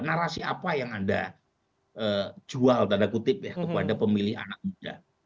narasi apa yang anda jual tanda kutip ya kepada pemilih anak muda